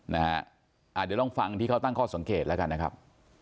เดี๋ยวลองฟังที่เขาตั้งข้อสังเกตแล้วกันนะครับ